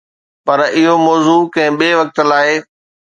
پر اهو موضوع ڪنهن ٻئي وقت لاءِ.